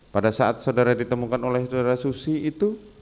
pada saat saudara ditemukan oleh saudara susi itu